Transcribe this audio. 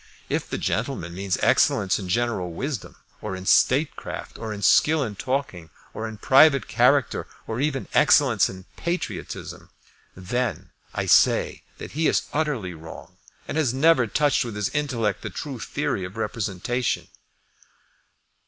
If the gentleman means excellence in general wisdom, or in statecraft, or in skill in talking, or in private character, or even excellence in patriotism, then I say that he is utterly wrong, and has never touched with his intellect the true theory of representation.